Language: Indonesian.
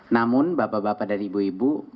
namun bapak bapak dan ibu ibu